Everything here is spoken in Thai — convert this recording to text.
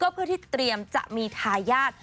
เพื่อที่เตรียมจะมีทายาท